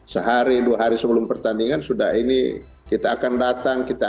sehari dua hari sebelum pertandingan sudah ini kita akan datang